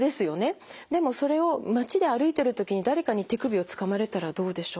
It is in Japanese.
でもそれを町で歩いてるときに誰かに手首をつかまれたらどうでしょう？